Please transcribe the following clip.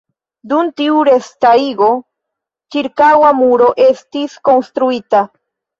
Dum tiu restarigo ĉirkaŭa muro estis konstruita.